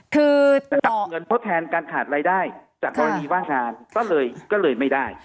คือเงินทดแทนการขาดรายได้จากกรณีว่างงานก็เลยไม่ได้